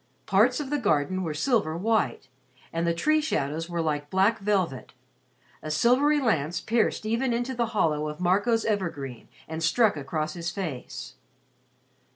Parts of the garden were silver white, and the tree shadows were like black velvet. A silvery lance pierced even into the hollow of Marco's evergreen and struck across his face.